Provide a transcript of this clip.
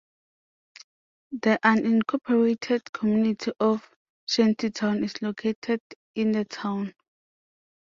The unincorporated community of Shantytown is located in the town.